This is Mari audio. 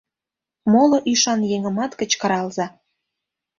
Моло ӱшан еҥымат кычкыралза.